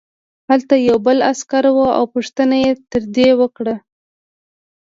هلته یو بل عسکر و او پوښتنه یې ترې وکړه